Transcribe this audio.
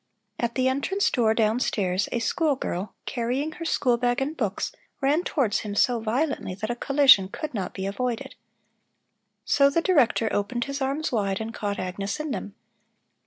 At the entrance door down stairs a school girl, carrying her schoolbag and books, ran towards him so violently that a collision could not be avoided, so the Director opened his arms wide and caught Agnes in them.